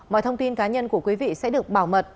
mọi thông tin cá nhân của quý vị sẽ được bảo mật